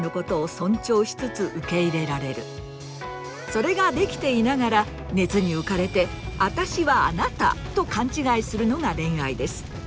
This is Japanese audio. それができていながら熱に浮かれて“あたしはあなた”と勘違いするのが恋愛です。